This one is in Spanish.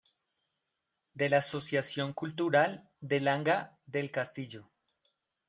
De la Asociación Cultural de Langa del Castillo.